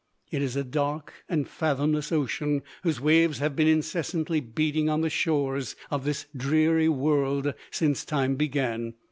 It is a dark and fathomless ocean, whose waves have been incessantly beating on the shores of this dreary world since time began.